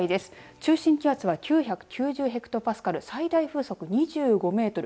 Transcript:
中心気圧は９９０ヘクトパスカル最大風速２５メートル